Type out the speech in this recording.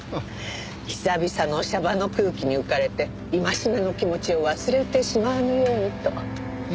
久々の娑婆の空気に浮かれて戒めの気持ちを忘れてしまわぬようにと。